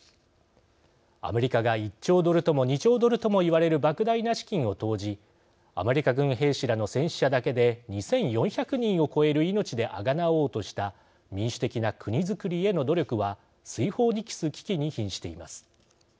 アメリカが１兆ドルとも２兆ドルともいわれるばく大な資金を投じアメリカ軍兵士らの戦死者だけで２４００人を超える命であがなおうとした民主的な国づくりへの努力は水泡に帰す危機にひんしています。